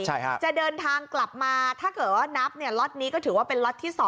ใช่ครับจะเดินทางกลับมาถ้าเกิดว่านับเนี่ยล็อตนี้ก็ถือว่าเป็นล็อตที่๒